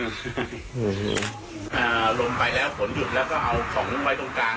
เออลงไปแล้วฝนยุบแล้วก็เอาของมุมไว้ตรงกลาง